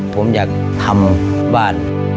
ผมอยากทำบ้าน